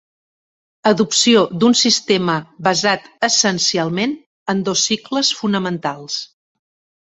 Adopció d'un sistema basat essencialment en dos cicles fonamentals